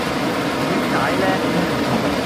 點解呢